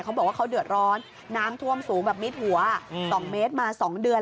เขาบอกว่าเขาเดือดร้อนน้ำท่วมสูงแบบมิดหัว๒เมตรมา๒เดือน